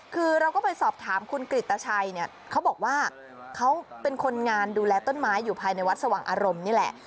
คือเราก็ไปสอบถามคุณกริตชัยเนี่ยเขาบอกว่าเขาเป็นคนงานดูแลต้นไม้อยู่ภายในวัดสว่างอารมณ์นี่แหละ